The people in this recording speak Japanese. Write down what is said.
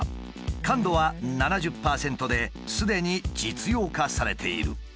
感度は７０％ですでに実用化されている。